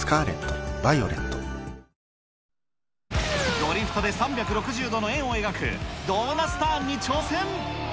ドリフトで３６０度の円を描く、ドーナツターンに挑戦。